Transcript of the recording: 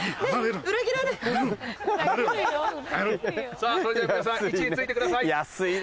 さぁそれでは皆さん位置についてください。